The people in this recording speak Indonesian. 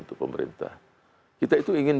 untuk pemerintah kita itu ingin